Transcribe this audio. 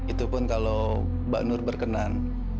itu pun kalau mbak nur berkenan